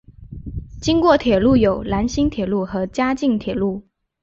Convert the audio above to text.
经过铁路有兰新铁路和嘉镜铁路。